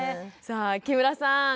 さあ木村さん